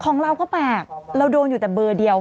ของเราก็แปลกเราโดนอยู่แต่เบอร์เดียว